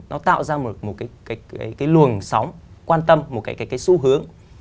nó là một cái luồng sóng quan tâm một cái xu hướng